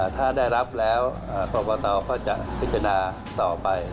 ถ้าได้รับแล้วประวัตเตอร์ก็จะพิจารณาต่อไป